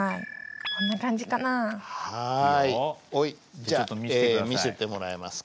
じゃあ見せてもらえますか？